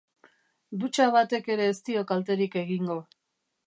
Dutxa batek ere ez dio kalterik egingo.